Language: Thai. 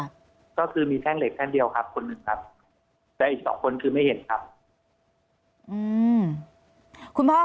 ก็คือมีแท่งเหล็กแท่งเดียวครับคนหนึ่งครับแต่อีกสองคนคือไม่เห็นครับอืมคุณพ่อ